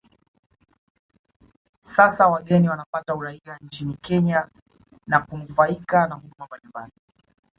Sasa wageni wanapata uraia nchini Kenya na kunufaika na huduma mbalimbali